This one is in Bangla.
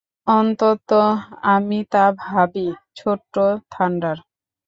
অন্তত আমি তা ভাবি, ছোট্ট থান্ডার।